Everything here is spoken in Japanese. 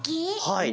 はい。